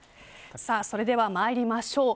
それでは参りましょう。